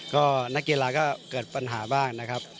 ก็นักกีฬาก็เกิดปัญหาบ้างนะครับ